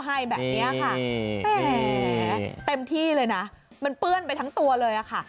แหมแป้มที่เลยนะมันเปื้อนไปทั้งตัวเลยค่ะ